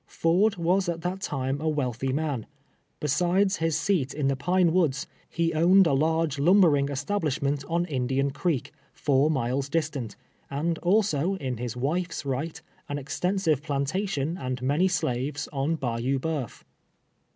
Ford was at that time a wealthy man. Besides his seat in the Pine "N^oods, he owned a large lumbering establishment on Indian Creek, foin miles distant, and also, in his wife's right, an extensive plantation and many slaves on Bayou Uteuf.